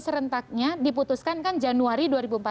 serentaknya diputuskan kan januari